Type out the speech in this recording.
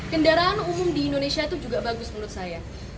kendaraan umum di indonesia itu juga bagus menurut saya